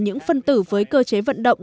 những phân tử với cơ chế vận động